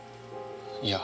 いや。